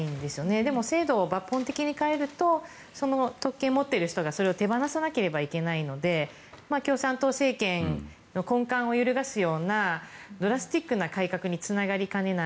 でも制度を抜本的に変えるとその特権を持っている人がそれを手放さなければいけないので共産党政権の根幹を揺るがすようなドラスティックな改革につながりかねない。